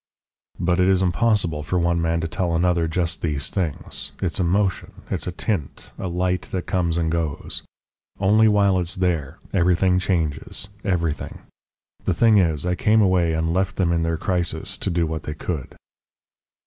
"But it is impossible for one man to tell another just these things. It's emotion, it's a tint, a light that comes and goes. Only while it's there, everything changes, everything. The thing is I came away and left them in their Crisis to do what they could."